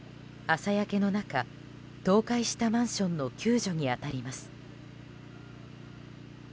朝焼けの中倒壊したマンションの救助に当たります。